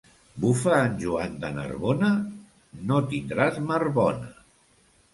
Bufa en Joan de Narbona? No tindràs mar bona.